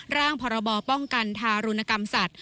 ร่างพรบป้องกันทารุณกรรมสัตว